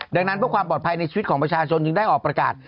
ดังนั้นเพื่อความปลอดภัยในชีวิตของประชาชนจึงได้ออกประกาศ